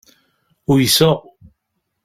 Uyseɣ.